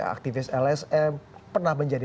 aktivis lsm pernah menjadi